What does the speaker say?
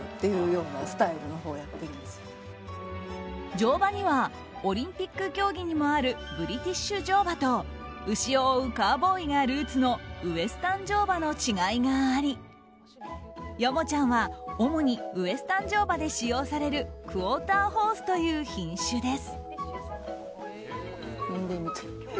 乗馬にはオリンピック競技でもあるブリティッシュ乗馬と牛を追うカーボーイがルーツのウエスタン乗馬の違いがありヨモちゃんは主にウエスタン乗馬で使用されるクオーターホースという品種です。